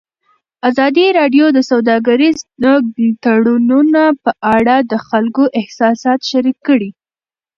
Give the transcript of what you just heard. ازادي راډیو د سوداګریز تړونونه په اړه د خلکو احساسات شریک کړي.